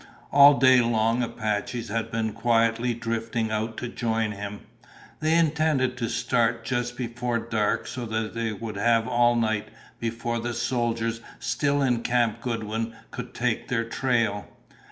All day long Apaches had been quietly drifting out to join him. They intended to start just before dark so they would have all night before the soldiers still in Camp Goodwin could take their trail.